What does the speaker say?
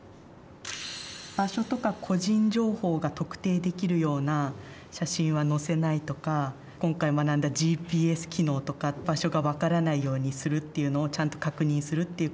場所とか個人情報が特定できるような写真はのせないとか今回学んだＧＰＳ機能とか場所が分からないようにするっていうのをちゃんと確認するっていうこと。